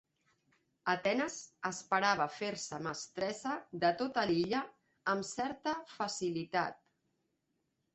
Atenes esperava fer-se mestressa de tota l'illa amb certa facilitat.